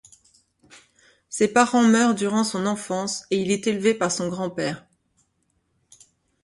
Ses parents meurent durant son enfance et il est élevé par son grand-père.